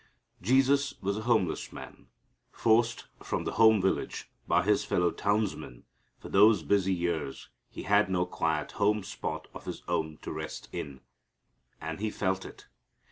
Jesus was a homeless man. Forced from the home village by His fellow townsmen, for those busy years he had no quiet home spot of His own to rest in. And He felt it.